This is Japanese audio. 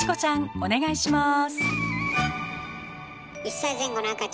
お願いします。